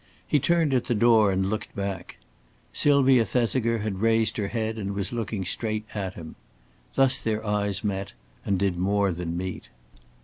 He turned at the door and looked back. Sylvia Thesiger had raised her head and was looking straight at him. Thus their eyes met, and did more than meet.